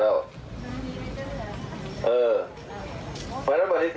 เราจะมีบ้านช่องกันอย่างไร